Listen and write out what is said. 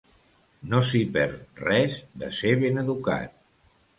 No s'hi perd res de ser ben educat.